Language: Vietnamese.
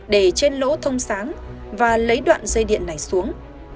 để trên lỗ thông sáng và lấy đoạn dây điện này xuống